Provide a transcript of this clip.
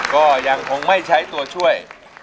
ก็ยังคงไม่ใช้ตัวช่วย